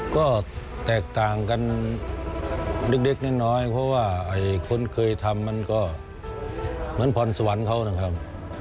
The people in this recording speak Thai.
ก็แตกต่างกันเล็กน้อยเพราะว่าคนเคยทำมันก็เหมือนพรสวรรค์เขานะครับ